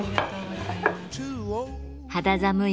肌寒い